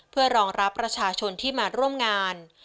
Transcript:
เพื่อรองรับประชาชนที่มาร่วมงาน